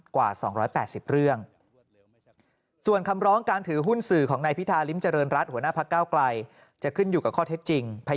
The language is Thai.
เกี่ยวกับการเลือกตั้งที่๒๘๐เรื่อง